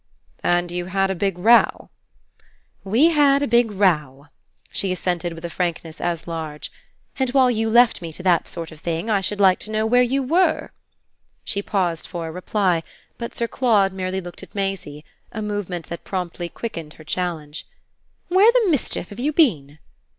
"And you had a big row?" "We had a big row" she assented with a frankness as large. "And while you left me to that sort of thing I should like to know where you were!" She paused for a reply, but Sir Claude merely looked at Maisie; a movement that promptly quickened her challenge. "Where the mischief have you been?"